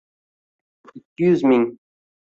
Ikki yuz ming